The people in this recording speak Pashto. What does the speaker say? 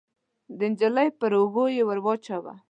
د نجلۍ پر اوږو يې واچاوه.